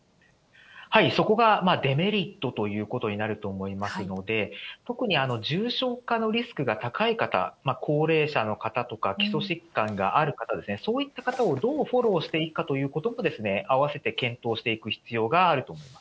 そこがデメリットということになると思いますので、特に重症化のリスクが高い方、高齢者の方とか、基礎疾患がある方ですね、そういった方をどうフォローしていくかということも併せて検討しそうですね。